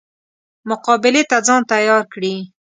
مقابلې ته ځان تیار کړي.